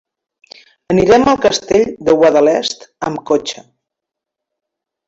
Anirem al Castell de Guadalest amb cotxe.